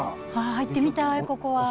入ってみたい、ここは。